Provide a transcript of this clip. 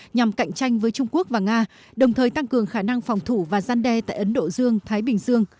nhằm cạnh tranh với trung quốc và nga đồng thời tăng cường khả năng phòng thủ và gian đe tại ấn độ dương thái bình dương